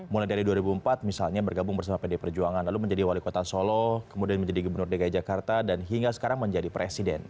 mulai dari dua ribu empat misalnya bergabung bersama pd perjuangan lalu menjadi wali kota solo kemudian menjadi gubernur dki jakarta dan hingga sekarang menjadi presiden